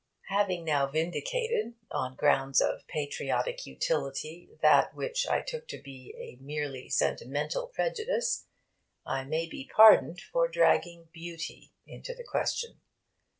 Having now vindicated on grounds of patriotic utility that which I took to be a mere sentimental prejudice, I may be pardoned for dragging 'beauty' into the question.